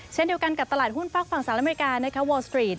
เช่นเดียวกันกับตลาดหุ้นฝากฝั่งสหรัฐอเมริกาวอลสตรีท